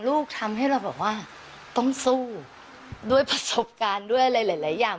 ลูกทำให้เราแบบว่าต้องสู้ด้วยประสบการณ์ด้วยอะไรหลายอย่าง